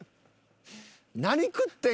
何食ってん？